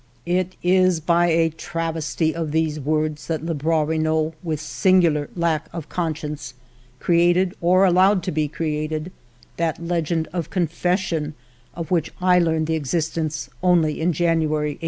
It is by a travesty of these words that Lebrun Renault, with singu 4 50 FIVE YEARS OF MY LIFE lar lack of conscience, created or allowed to be created that legend of confession, of which I learned the existence only in January, 1899.